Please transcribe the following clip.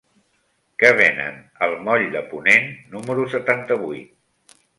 Què venen al moll de Ponent número setanta-vuit?